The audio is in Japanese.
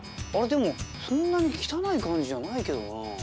でもそんなに汚い感じじゃないけどな。